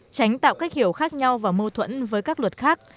tránh tạo cách hiểu khác nhau và mâu thuẫn với các luật khác